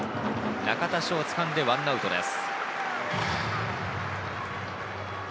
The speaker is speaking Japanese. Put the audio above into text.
中田翔がつかんで１アウトです。